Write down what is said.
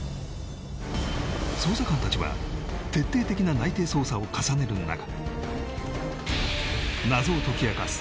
捜査官たちは徹底的な内偵捜査を重ねる中謎を解き明かす